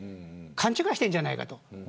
勘違いしているんじゃないかと。